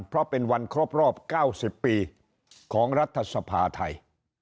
เพราะเป็นวันครบรอบ๙๐ปีของรัฐสภาไทย